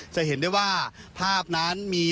จะเห็นได้ว่าภาพนั้นมี